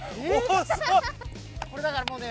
これだからもうね。